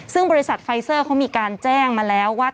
ซึ่งบริษัทไฟเซอร์เขามีการแจ้งมาแล้วว่า